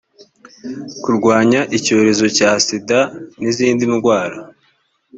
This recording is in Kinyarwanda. kurwanya icyorezo cya sida n izindi ndwara